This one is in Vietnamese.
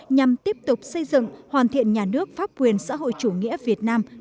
nhằm tiếp tục xây dựng hoàn thiện nhà nước pháp quyền xã hội chủ nghĩa việt nam